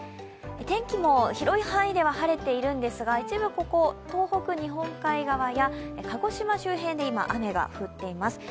天気も広い範囲では晴れているんですが、一部東北日本海側や鹿児島周辺で今、雨が降っています